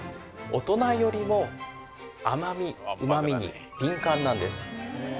大人よりも甘味うま味に敏感なんです